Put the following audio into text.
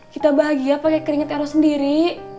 kita bahagia pakai keringet ero sendiri